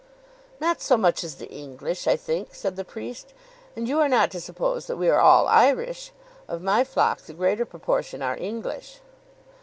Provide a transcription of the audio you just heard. "Not so much as the English, I think," said the priest. "And you are not to suppose that we are all Irish. Of my flock the greater proportion are English."